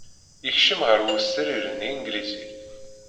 Yekcem ɣer wesrir-nni anglizi.